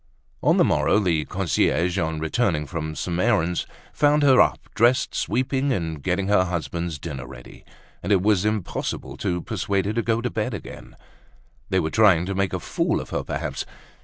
On the morrow the concierge, on returning from some errand, found her up, dressed, sweeping and getting her husband's dinner ready; and it was impossible to persuade her to go to bed again. They were trying to make a fool of her perhaps!